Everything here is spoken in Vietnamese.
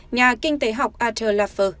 nhà kinh tế học arthur laffer